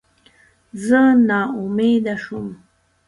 زه ناامیده شوم.